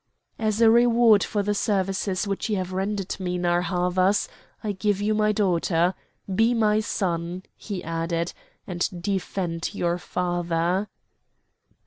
"As a reward for the services which you have rendered me, Narr' Havas, I give you my daughter. Be my son," he added, "and defend your father!"